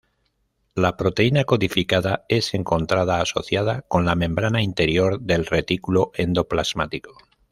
La proteína codificada es encontrada asociada con la membrana interior del retículo endoplasmático.